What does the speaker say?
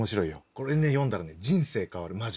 これね読んだらね人生変わるマジで。